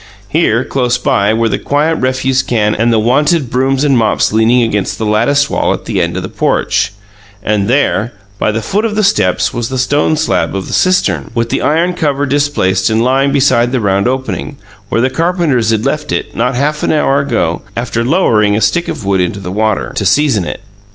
Here, close by, were the quiet refuse can and the wonted brooms and mops leaning against the latticed wall at the end of the porch, and there, by the foot of the steps, was the stone slab of the cistern, with the iron cover displaced and lying beside the round opening, where the carpenters had left it, not half an hour ago, after lowering a stick of wood into the water, "to season it".